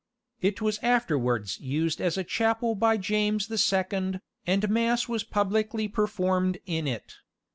It was afterwards used as a chapel by James the Second, and mass was publicly performed in it.